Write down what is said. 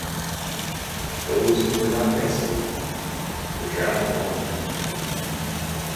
Those who were not ransomed were drowned in public.